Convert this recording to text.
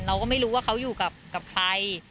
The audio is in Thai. เราก็ไม่รู้ว่าเขาอยู่กับใคร